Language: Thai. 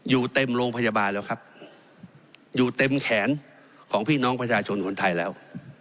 อยู่เต็มโรงพยาบาลแล้วครับอยู่เต็มแขนของพี่น้องประชาชนคนไทยแล้ว